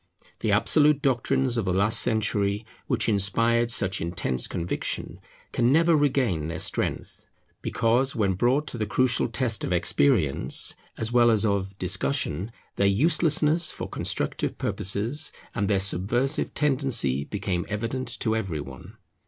The absolute doctrines of the last century which inspired such intense conviction, can never regain their strength, because, when brought to the crucial test of experience as well as of discussion, their uselessness for constructive purposes and their subversive tendency became evident to every one.